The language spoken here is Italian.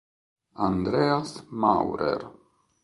Andreas Maurer